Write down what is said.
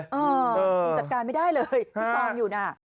จัดการไม่ได้เลยพี่กองอยู่น่ะ